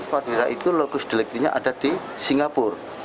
fadila itu lokus deliktinya ada di singapura